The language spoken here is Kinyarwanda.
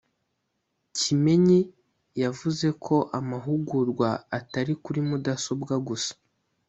Kimenyi yavuze ko amahugurwa atari kuri mudasobwa gusa